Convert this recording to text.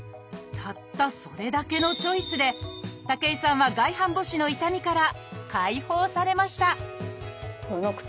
たったそれだけのチョイスで武井さんは外反母趾の痛みから解放されました